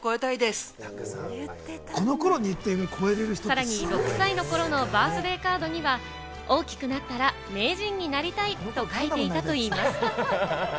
さらに６歳の頃のバースデーカードには、大きくなったら名人になりたいと書いていたといいます。